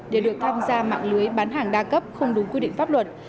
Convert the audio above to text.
để được tham gia mạng lưới bán hàng đa cấp không đúng quy định pháp luật